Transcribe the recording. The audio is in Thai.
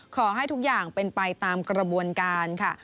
ขอให้ทุกอย่างเป็นไปตามกระบวนการค่ะ